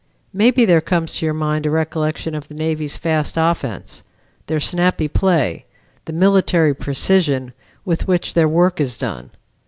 Maybe there comes to your mind a recollection of the Navy's fast offense; their snappy play; the military precision with which their work is done.